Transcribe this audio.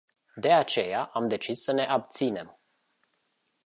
De aceea, am decis să ne abținem.